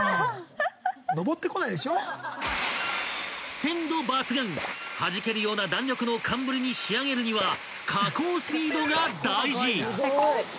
［鮮度抜群はじけるような弾力の寒ぶりに仕上げるには加工スピードが大事］